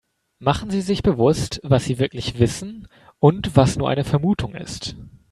Machen Sie sich bewusst, was sie wirklich wissen und was nur eine Vermutung ist.